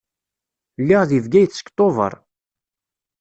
Lliɣ deg Bgayet seg Tubeṛ.